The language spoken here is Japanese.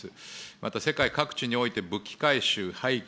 また世界各地において武器回収、廃棄、